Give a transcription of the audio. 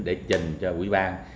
để trình cho quỹ ban